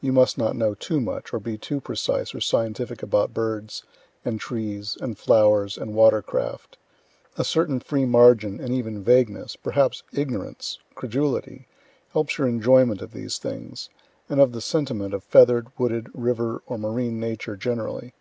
(You must not know too much, or be too precise or scientific about birds and trees and flowers and water craft; a certain free margin, and even vagueness perhaps ignorance, credulity helps your enjoyment of these things, and of the sentiment of feather'd, wooded, river, or marine Nature generally.